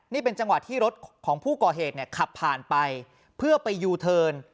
นี่เป็นจังหวะที่รถของผู้ก่อเหตุเนี่ยขับผ่านไปเพื่อไปยูเทิร์น